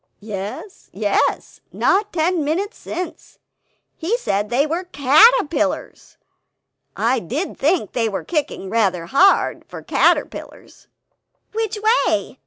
"Yes, yes; not ten minutes since ... he said they were CATERPILLARS; I did think they were kicking rather hard, for caterpillars." "Which way?